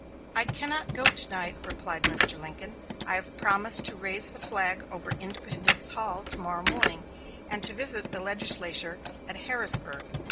"I cannot go to night," replied Mr. Lincoln; "I have promised to raise the flag over Independence Hall to morrow morning, and to visit the legislature at Harrisburg.